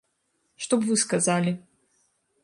Што б вы сказалі?